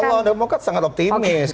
ya kalau dari demokrat sangat optimis